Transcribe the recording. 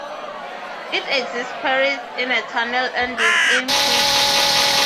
It exits Paris in a tunnel ending in Clichy.